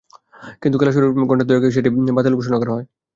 কিন্তু খেলা শুরুর ঘণ্টা দুয়েক আগে সেটি বাতিল ঘোষণা করা হয়।